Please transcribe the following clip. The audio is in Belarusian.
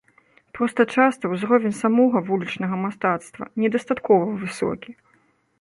Проста часта ўзровень самога вулічнага мастацтва недастаткова высокі.